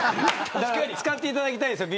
使っていただきたいですよ